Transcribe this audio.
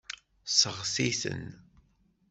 Seɣti-ten.